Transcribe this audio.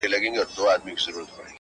• چي بیا به څه ډول حالت وي ـ د ملنگ ـ